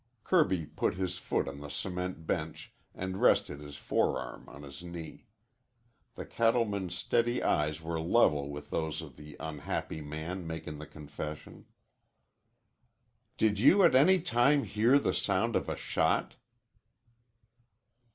Kirby put his foot on the cement bench and rested his forearm on his knee. The cattleman's steady eyes were level with those of the unhappy man making the confession. "Did you at any time hear the sound of a shot?"